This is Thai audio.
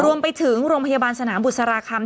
รวมไปถึงโรงพยาบาลสนามบุษราคำ